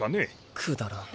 くだらん。